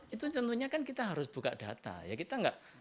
itu tentunya kan kita harus buka data